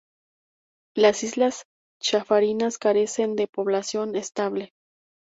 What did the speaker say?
Las islas Chafarinas carecen de población estable.